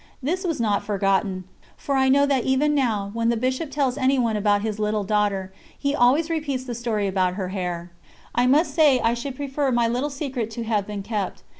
This was not forgotten, for I know that even now, whenever the Bishop tells anyone about his "little daughter," he always repeats the story about her hair. I must say I should prefer my little secret to have been kept.